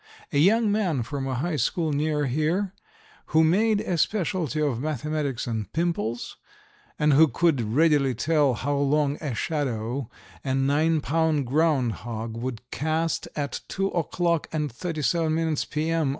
A young man from a high school near here, who made a specialty of mathematics and pimples, and who could readily tell how long a shadow a nine pound ground hog would cast at 2 o'clock and 37 minutes p. m.